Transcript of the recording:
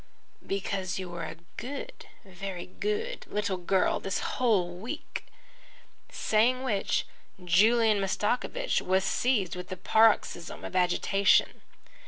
"Because you were a good, very good little girl the whole week." Saying which, Julian Mastakovich was seized with a paroxysm of agitation.